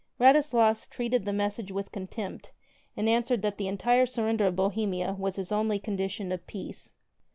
Radislas treated the message with contempt and an swered that the entire surrender of Bohemia was his only condition of peace.